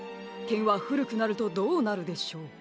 けんはふるくなるとどうなるでしょう？